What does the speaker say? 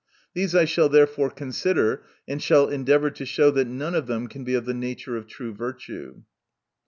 These I shall therefore consider ; and shall endeavor to show that none of them can be of the nature of true virtue.